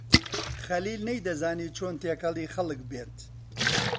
خەلیل نەیدەزانی چۆن تێکەڵی خەڵک بێت.